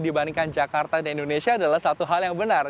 dibandingkan jakarta dan indonesia adalah satu hal yang benar